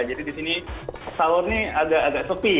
jadi di sini salonnya agak agak sepi ya